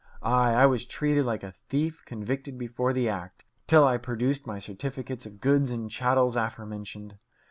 Ay, I was treated like a thief convicted before the act, till I produced my certificates of goods and chattels aforementioned.